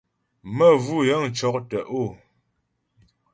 Məvʉ́ yə̂ŋ cɔ́k tə̀'ó.